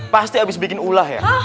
pasti habis bikin ulah ya